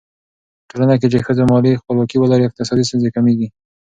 په ټولنه کې چې ښځو مالي خپلواکي ولري، اقتصادي ستونزې کمېږي.